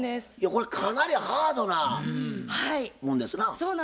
これかなりハードなもんですな？